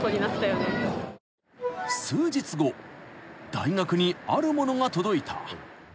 ［大学にあるものが届いた］